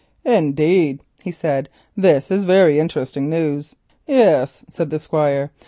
"Indeed," he said, "this is very interesting news." "Yes," said the Squire.